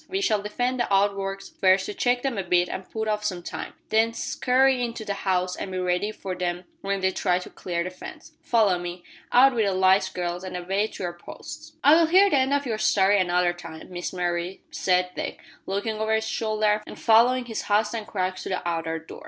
We shall defend the outworks first to check them a bit and put off some time, then scurry into the house and be ready for them when they try to clear the fence. Follow me. Out wi' the lights, girls, and away to your posts." "I'll hear the end of your story another time, Miss Mary," said Dick, looking over his shoulder and following his host and Crux to the outer door.